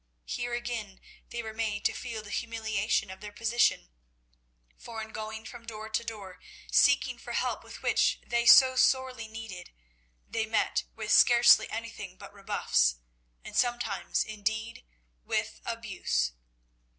Here again they were made to feel the humiliation of their position; for in going from door to door, seeking for help which they so sorely needed, they met with scarcely anything but rebuffs, and sometimes indeed with abuse.